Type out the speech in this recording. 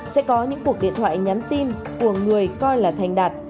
sẽ có những cuộc điện thoại nhắn tin của người coi là thành đạt